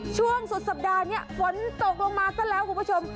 ช่วงสุดสัปดาห์นี้ฝนตกลงมาซะแล้วคุณผู้ชม